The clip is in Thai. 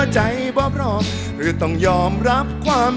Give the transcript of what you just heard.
ขอบคุณมาก